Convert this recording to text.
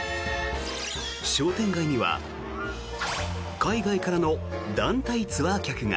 商店街には海外からの団体ツアー客が。